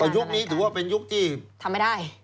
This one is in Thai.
ยุคนี้ถือว่าเป็นยุคที่ทำไม่ได้